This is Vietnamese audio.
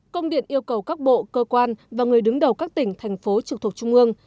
công điện yêu cầu các bộ cơ quan và người đứng đầu các tỉnh thành phố trực thuộc trung ương